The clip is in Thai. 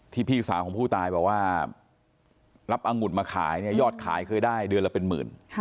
พี่สาวของผู้ตายบอกว่ารับองุ่นมาขายเนี่ยยอดขายเคยได้เดือนละเป็นหมื่น